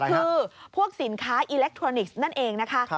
คือพวกสินค้าอิเล็กทรอนิกส์นั่นเองนะคะ